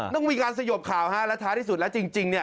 ต้องมีการสยบข่าวฮะและท้าที่สุดและจริง